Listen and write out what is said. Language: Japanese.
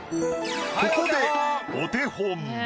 ここでお手本。